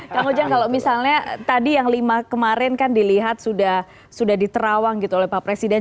kang ujang kalau misalnya tadi yang lima kemarin kan dilihat sudah diterawang gitu oleh pak presiden